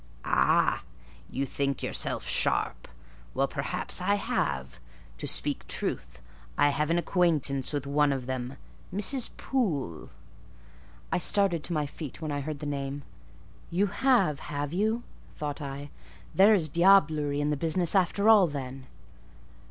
"Ah! you think yourself sharp. Well, perhaps I have: to speak truth, I have an acquaintance with one of them, Mrs. Poole—" I started to my feet when I heard the name. "You have—have you?" thought I; "there is diablerie in the business after all, then!"